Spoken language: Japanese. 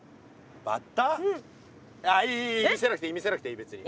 見せなくていい見せなくていいべつに。